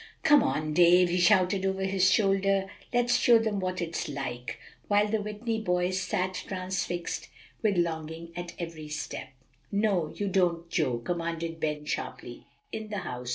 "Come on, Dave," he shouted over his shoulder, "let's show them what it's like;" while the Whitney boys sat transfixed with longing at every step. "No, you don't, Joe," commanded Ben sharply, "in the house.